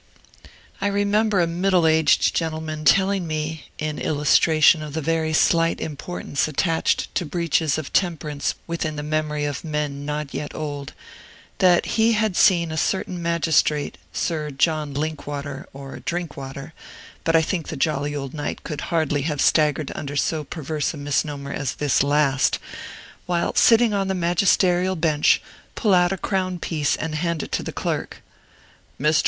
I remember a middle aged gentleman telling me (in illustration of the very slight importance attached to breaches of temperance within the memory of men not yet old) that he had seen a certain magistrate, Sir John Linkwater, or Drinkwater, but I think the jolly old knight could hardly have staggered under so perverse a misnomer as this last, while sitting on the magisterial bench, pull out a crown piece and hand it to the clerk. "Mr.